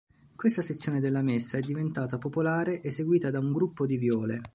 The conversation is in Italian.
Questa sezione della messa è diventata popolare eseguita da un gruppo di viole.